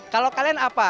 kalau kalian apa